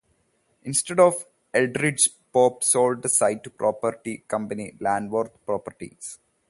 Instead, Eldridge Pope sold the site to property company Landworth Properties.